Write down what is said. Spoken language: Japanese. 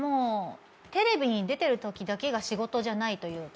テレビに出てるときだけが仕事じゃないというか。